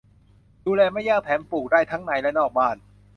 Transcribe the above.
ดูแลไม่ยาก แถมปลูกได้ทั้งในและนอกบ้าน